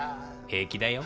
平気だよ。